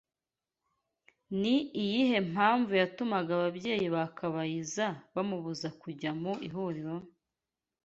Ni iyihe mpamvu yatumaga ababyeyi ba Kabayiza bamubuza kujya mu ihuriro